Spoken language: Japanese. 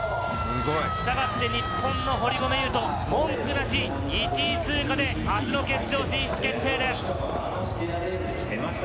従って日本の堀米雄斗、文句なし、１位通過で明日の決勝進出決定です。